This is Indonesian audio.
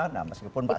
nah meskipun pak suria